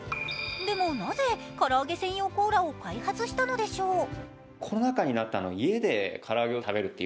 でもなぜ、からあげ専用コーラを開発したのでしょうか。